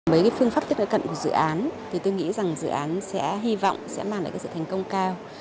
với phương pháp tiếp cận của dự án tôi nghĩ rằng dự án sẽ hy vọng sẽ mang lại sự thành công cao